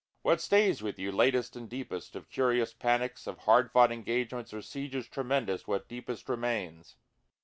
What stays with you latest and deepest? of curious panics, Of hard fought engagements or sieges tremendous what deepest remains?